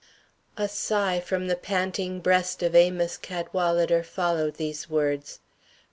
A sigh from the panting breast of Amos Cadwalader followed these words.